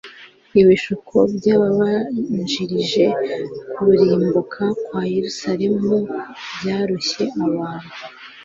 Ibishuko byabanjirije kurimbuka kwaYerusalemu byaroshye abantu